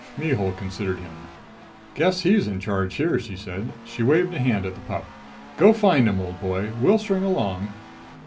Mihul considered him. "Guess he's in charge here," she said. She waved a hand at the pup. "Go find 'em, old boy! We'll string along."